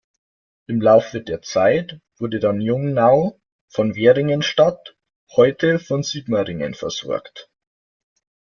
Im Laufe der Zeit wurde dann Jungnau von Veringenstadt, heute von Sigmaringen versorgt.